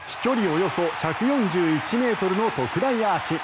およそ１４１ｍの特大アーチ。